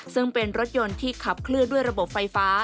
ซึ่งเป็นรถยนต์ที่ขับเคลื่อนด้วยระบบไฟฟ้า